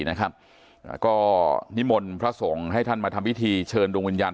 ๑๔นะครับแล้วก็นิมลพระส่งให้ท่านมาทำวิธีเชิญดวงวิญญาณ